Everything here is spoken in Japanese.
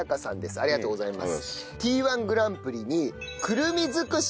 ありがとうございます。